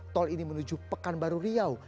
tol ini menuju pekanbaru riau